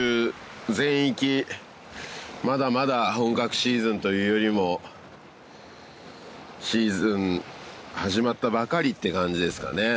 全域まだまだ本格シーズンというよりもシーズン始まったばかりって感じですかね